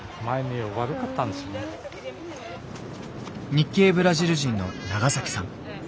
日系ブラジル人のナガサキさん。